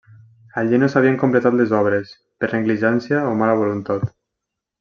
Allí no s'havien completat les obres, per negligència o mala voluntat.